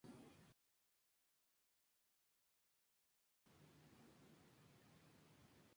Se puede practicar individualmente o en pareja.